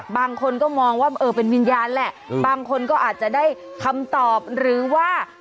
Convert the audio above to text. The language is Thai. บางคนก็มองว่าเอ๊ะเป็นวิญญาณแล้ว